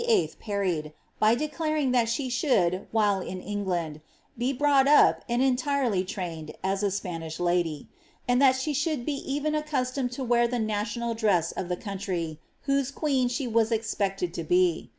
]W ried, by declaring that she should, while in England, be brought upland entirely trained, as a Spanish lady ; and that she should be even accus tomed to wear the national dress of the country whose queen she wii expected to be.